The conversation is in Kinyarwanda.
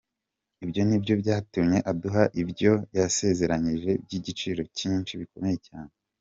Ibyo ni byo byatumye aduha ibyo yasezeranije by'igiciro cyinshi, bikomeye cyane.